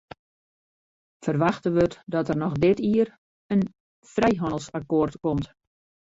Ferwachte wurdt dat der noch dit jier in frijhannelsakkoart komt.